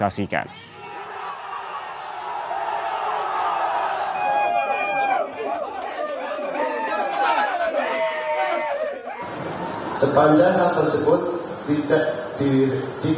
asnk dua ribu dua puluh empat di indonesia